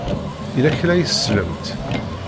Yella kra ay tsellemt?